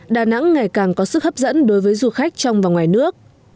đà nẵng ngày càng có sức hấp dẫn đối với du khách trong và ngoài nước